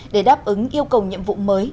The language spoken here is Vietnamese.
để đáp ứng yêu cầu nhiệm vụ mới